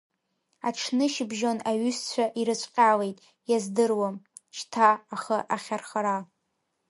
Аҽнышьыбжьон аҩызцәа ирыцәҟьалеит, иаздыруам шьҭа ахы ахьархара.